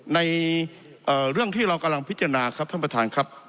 ในเรื่องที่เรากำลังพิจารณาครับท่านประธานครับ